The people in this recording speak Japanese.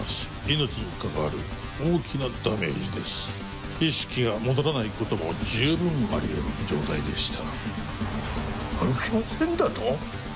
命にかかわる大きなダメージです意識が戻らないことも十分ありえる状態でした「歩けません」だと？